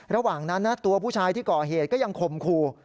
ระหว่างนั้นนะตัวผู้ชายที่ก่อเหตุก็ยังข่มขู่